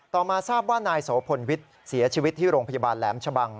มาทราบว่านายโสพลวิทย์เสียชีวิตที่โรงพยาบาลแหลมชะบัง